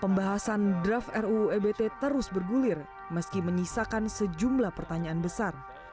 pembahasan draft ruu ebt terus bergulir meski menyisakan sejumlah pertanyaan besar